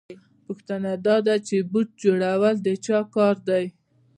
پوښتنه دا ده چې بوټ جوړول د چا کار دی